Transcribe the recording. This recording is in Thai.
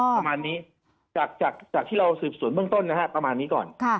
ประมาณนี้จากที่เราสืบสวนเบื้องต้นนะฮะประมาณนี้ก่อน